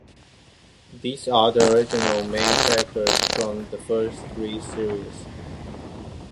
These are the original main characters from the first three series.